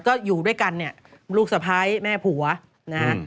ก็อยู่ด้วยกันเนี่ยลูกสะพ้ายแม่ผัวนะฮะ